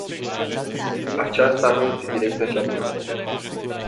Aceasta nu este direcția cea bună.